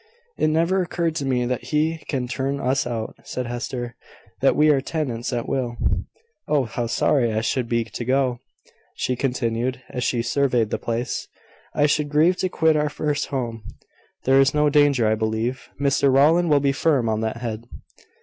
"It never occurred to me that he can turn us out," said Hester, "that we are tenants at will. Oh! how sorry I should be to go!" she continued, as she surveyed the place. "I should grieve to quit our first home." "There is no danger I believe: Mr Rowland will be firm on that head."